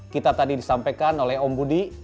kita tadi disampaikan oleh om budi